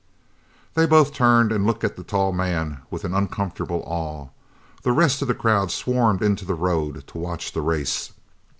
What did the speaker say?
They both turned and looked at the tall man with an uncomfortable awe. The rest of the crowd swarmed into the road to watch the race.